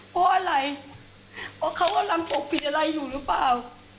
เพราะอะไรเพราะเขากำลังปกปิดอะไรอยู่หรือเปล่า